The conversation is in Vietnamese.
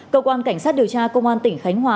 cơ quan cảnh sát điều tra công an tỉnh khánh hòa